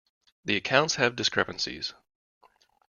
The accounts have discrepancies.